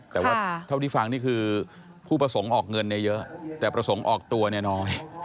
แต่ว่าเท่าที่ฟังนี่คือผู้ประสงค์ออกเงินเนี่ยเยอะแต่ประสงค์ออกตัวเนี่ยน้อย